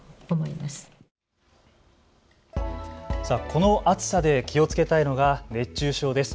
この暑さで気をつけたいのが熱中症です。